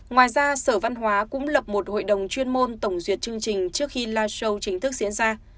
ngoài ra sở văn hóa cũng lập một hội đồng chuyên môn tổng duyệt chương trình trước khi live show chính thức diễn ra